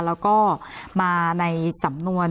แล้วก็มาในสำนวน